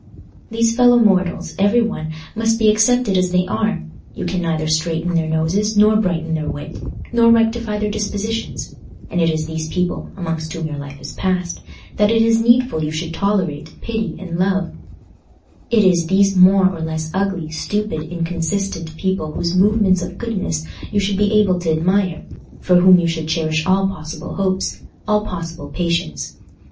These fellow mortals, every one, must be accepted as they are: you can neither straighten their noses, nor brighten their wit, nor rectify their dispositions; and it is these people—amongst whom your life is passed—that it is needful you should tolerate, pity, and love: it is these more or less ugly, stupid, inconsistent people whose movements of goodness you should be able to admire—for whom you should cherish all possible hopes, all possible patience.